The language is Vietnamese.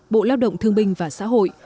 bộ lao động thương binh và xã hội